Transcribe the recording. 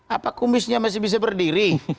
apa kumisnya masih bisa berdiri